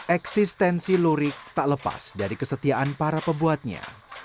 existensi lurik tak lepas dari kesetiaan para pebuatnya